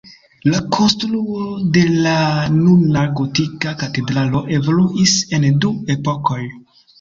La konstruo de la nuna gotika katedralo evoluis en du epokoj.